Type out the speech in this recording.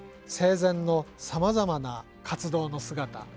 生前のさまざまな活動の姿